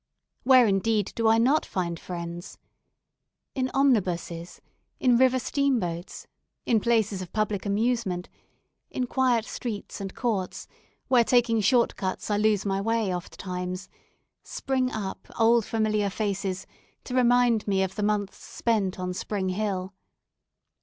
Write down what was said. Where, indeed, do I not find friends. In omnibuses, in river steamboats, in places of public amusement, in quiet streets and courts, where taking short cuts I lose my way oft times, spring up old familiar faces to remind me of the months spent on Spring Hill.